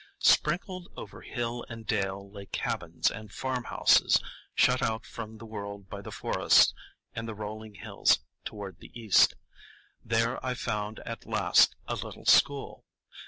Sprinkled over hill and dale lay cabins and farmhouses, shut out from the world by the forests and the rolling hills toward the east. There I found at last a little school.